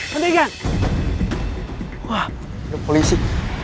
kandungan wah polisi